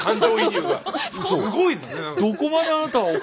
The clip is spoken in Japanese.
すごいですね。